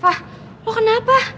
fah lo kenapa